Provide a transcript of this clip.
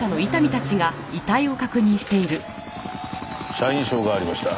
社員証がありました。